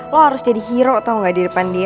lo harus jadi hero tau gak di depan dia